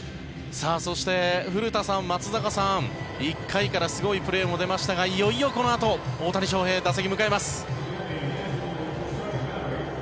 そして、古田さん、松坂さん１回からすごいプレーも出ましたがいよいよこのあと大谷翔平、打席に向かいます。